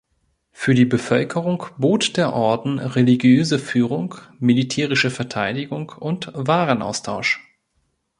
Für die Bevölkerung bot der Orden religiöse Führung, militärische Verteidigung und Warenaustausch.